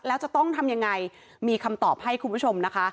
แล้วจะต้องทำยังไงมีคำตอบให้คุณผู้ชมนะคะ